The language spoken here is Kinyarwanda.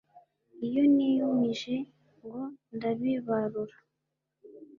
iyo niyumije ngo ndabibarura